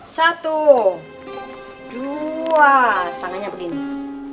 satu dua tangannya begini